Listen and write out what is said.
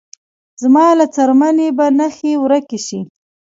زما له څرمنې به نخښې ورکې شې